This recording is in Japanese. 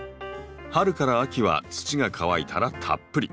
春から秋は土が乾いたらたっぷり。